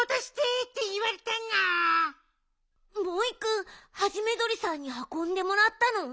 モイくんハジメドリさんにはこんでもらったの？